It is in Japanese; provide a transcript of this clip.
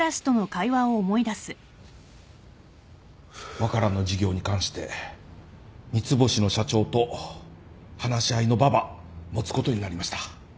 ワカランの事業に関して三ツ星の社長と話し合いの場ば持つことになりました